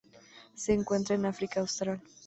Se encuentra en África austral.